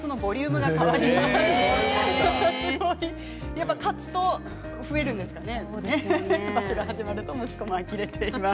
やっぱり勝つと増えるんですね。